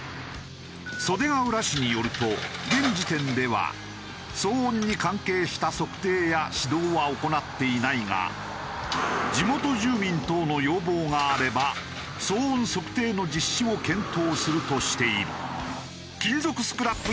袖ケ浦市によると現時点では騒音に関係した測定や指導は行っていないが地元住民等の要望があれば騒音測定の実施を検討するとしている。